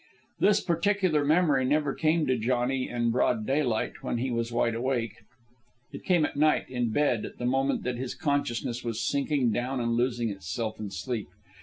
This particular memory never came to Johnny in broad daylight when he was wide awake. It came at night, in bed, at the moment that his consciousness was sinking down and losing itself in sleep.